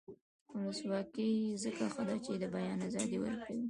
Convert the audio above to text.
ولسواکي ځکه ښه ده چې د بیان ازادي ورکوي.